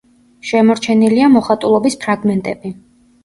შემორჩენილია მოხატულობის ფრაგმენტები.